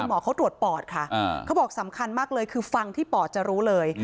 หมอเขาตรวจปอดค่ะเขาบอกสำคัญมากเลยคือฟังที่ปอดจะรู้เลย